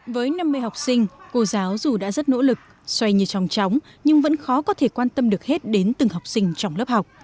với năm mươi học sinh cô giáo dù đã rất nỗ lực xoay như tròng tróng nhưng vẫn khó có thể quan tâm được hết đến từng học sinh trong lớp học